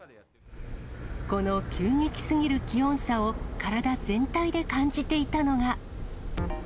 この急激すぎる気温差を体全体で感じていたのが。